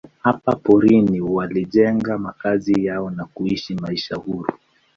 Hapa porini walijenga makazi yao na kuishi maisha huru.